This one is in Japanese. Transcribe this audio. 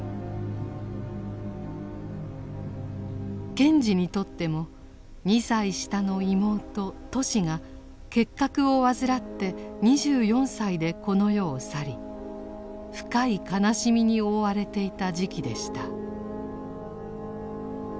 賢治にとっても２歳下の妹トシが結核を患って２４歳でこの世を去り深い悲しみに覆われていた時期でした。